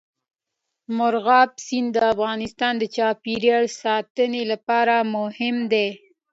مورغاب سیند د افغانستان د چاپیریال ساتنې لپاره مهم دی.